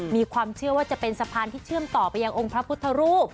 มีความเชื่อว่าจะเป็นสะพานที่เชื่อมต่อไปยังองค์พระพุทธรูป